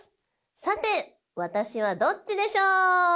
さて私はどっちでしょう？